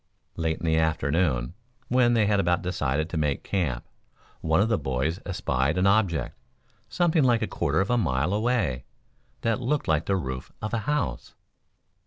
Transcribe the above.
Late in the afternoon, when they had about decided to make camp, one of the boys espied an object, something like a quarter of a mile away, that looked like the roof of a house.